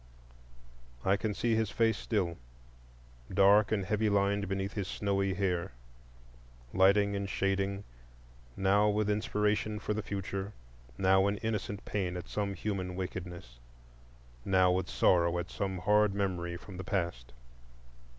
I can see his face still, dark and heavy lined beneath his snowy hair; lighting and shading, now with inspiration for the future, now in innocent pain at some human wickedness, now with sorrow at some hard memory from the past.